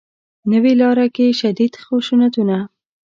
نوې لاره کې شدید خشونتونه